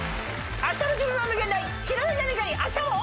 あしたの自分は無限大知らない何かにあしたも。